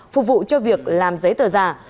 phục vụ cho việc làm giấy tờ giả